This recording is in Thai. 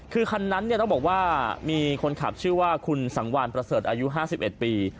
คือคันนั้นต้องบอกว่ามีคนขับชื่อว่าคุณสังวานประเสริฐอายุ๕๑ปี